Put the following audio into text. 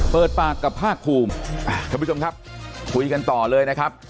เปิดปากกับภาคภูมิท่านผู้ชมครับคุยกันต่อเลยนะครับ